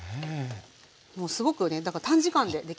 もうすごくね短時間でできます。